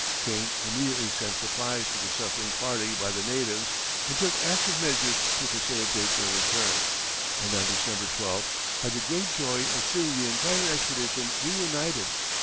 Kane immediately sent supplies to the suffering party by the natives, and took active measures to facilitate their return, and on December 12th had the great joy of seeing the entire expedition reunited.